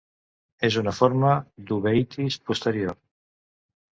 És una forma d'uveïtis posterior.